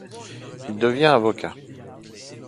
Il devient avocat.